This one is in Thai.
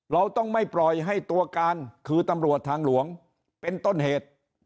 เราต้องไม่ปล่อยให้ตัวการคือตำรวจทางหลวงเป็นต้นเหตุ